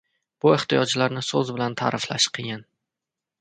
Bu ehtiyojlarni so‘z bilan ta’riflash qiyin.